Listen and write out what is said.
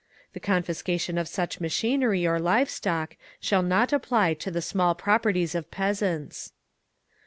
The confiscation of such machinery or live stock shall not apply to the small properties of peasants.